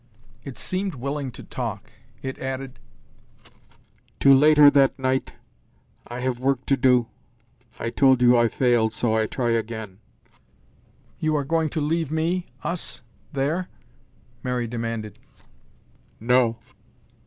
It seemed willing to talk. It added, "To later that night. I have work to do. I told you I failed, so I try again." "You are going to leave me us there?" Mary demanded. "No."